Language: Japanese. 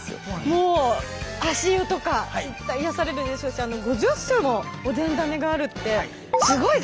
もう足湯とか行ったら癒やされるでしょうし５０種もおでん種があるってすごいです。